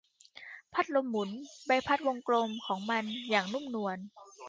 พัดลมหมุนใบพัดวงกลมของมันอย่างนุ่มนวล